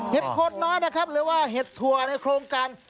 เหตุโคตรน้อยนะครับหรือว่าเหตุทัวร์ในโครงการ